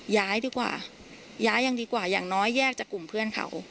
ย้ายดีกว่าย้ายยังดีกว่าอย่างน้อยแยกจากกลุ่มเพื่อนเขา